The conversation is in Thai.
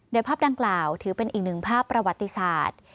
โดยภาพดังกล่าวถือเป็นอีกหนึ่งภาพประวัติศาสตร์